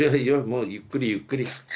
もうゆっくりゆっくり。